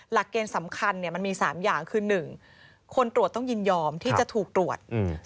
หลักเกณฑ์สำคัญเนี่ยมันมี๓อย่างคือ๑คนตรวจต้องยินยอมที่จะถูกตรวจ